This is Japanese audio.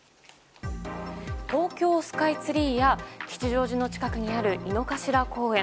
東京スカイツリーや吉祥寺の近くにある井の頭公園。